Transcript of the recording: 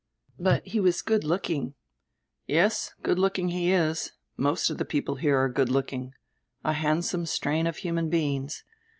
"But he was good looking." "Yes, good looking he is. Most of die people here are good looking. A handsome strain of human beings.